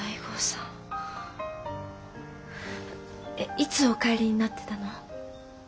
いつお帰りになってたの？